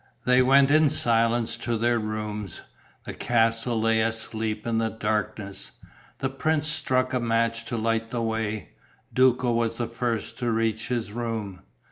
They went in silence to their rooms. The castle lay asleep in darkness. The prince struck a match to light the way. Duco was the first to reach his room.